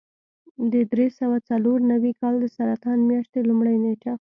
د درې سوه څلور نوي کال د سرطان میاشتې لومړۍ نېټه.